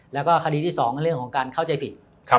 แล้วก็คดีที่๒เรื่องของการเข้าใจผิด